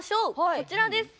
こちらです！